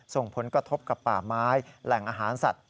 ส่งผลกระทบกับป่าไม้แหล่งอาหารสัตว